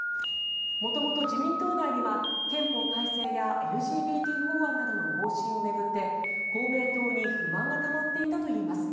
元々、自民党内には憲法改正やＬＧＢＴ法案などの方針を巡って公明党に不満がたまっていたといいます。